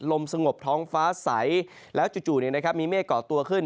ลมสงบท้องฟ้าใสแล้วจู่มีเมฆก่อตัวขึ้น